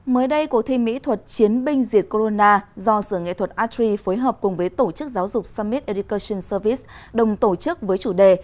mới đây cuộc thi mỹ thuật chiến binh diệt corona do sở nghệ thuật atri phối hợp cùng với tổ chức giáo dục summit edicion service đồng tổ chức với chủ đề